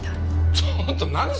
ちょっと何？